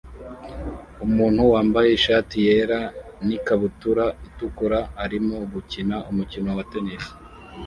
Umuntu wambaye ishati yera n ikabutura itukura arimo gukina umukino wa tennis